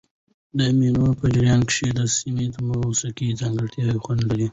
د مېلو په جریان کښي د سیمي موسیقي ځانګړی خوند لري.